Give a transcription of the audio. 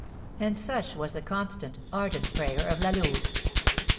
And such was the constant, ardent prayer of La Louve.